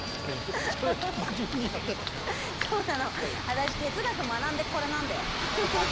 私哲学学んでこれなんだよ。